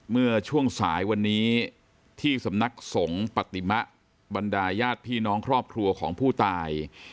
เมื่อช่วงสายวันนี้ที่สำนักสงฆ์ปฏิมะบรรดาญาติพี่น้องครอบครัวของผู้ตาย